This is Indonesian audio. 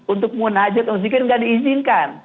untuk munajat munajat zikir gak diizinkan